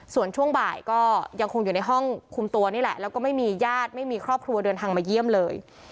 ส่วนช่วงบ่ายก็ยังคงอยู่ในห้องคุมตัวนี่แหละแล้วก็ไม่มีญาติไม่มีครอบครัวเดินทางมาเยี่ยมเลย